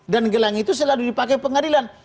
dan gelang itu selalu dipakai ke pengadilan